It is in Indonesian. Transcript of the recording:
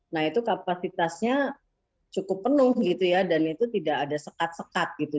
nah itu kapasitasnya cukup penuh gitu ya dan itu tidak ada sekat sekat gitu